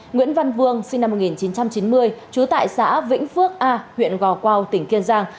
nguyễn văn vương sinh năm một nghìn chín trăm chín mươi trú tại xã vĩnh phước a huyện gò quao tỉnh kiên giang